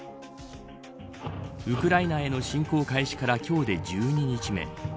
ウクライナへの侵攻開始から今日で１２日目。